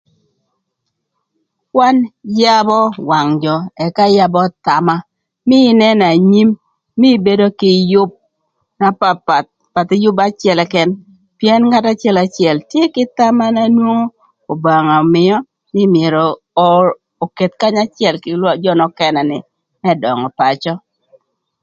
Kwan yabö wang jö ëka yabö thama, mii ïnënö anyim, mii ibedo kï yüb na papath pathï yüb acël këkën pïën ngat acëlacël tye kï thama na nwongo Obanga ömïö nï myero oketh kanya acël kï më jö nökënë ni më döngö pacö.